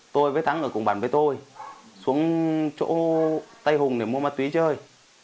tôi với thắng ở cùng bàn với tôi xuống chỗ tây hùng để mua ma túy chơi